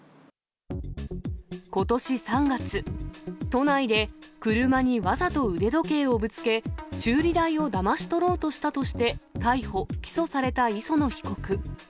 ことし３月、都内で車にわざと腕時計をぶつけ、修理代をだまし取ろうとしたとして、逮捕・起訴された磯野被告。